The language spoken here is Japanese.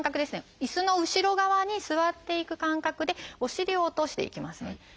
いすの後ろ側に座っていく感覚でお尻を落としていきますね。